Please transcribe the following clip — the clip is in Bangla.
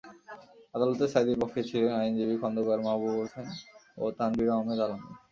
আদালতে সাঈদীর পক্ষে ছিলেন আইনজীবী খন্দকার মাহবুব হোসেন ও তানভীর আহম্মেদ আলামিন।